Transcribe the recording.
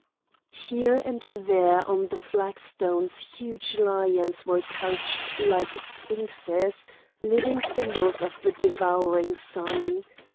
Here and there on the flag stones huge lions were couched like sphinxes, living symbols of the devouring sun.